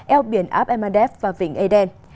eo biển bab el madef và vịnh eden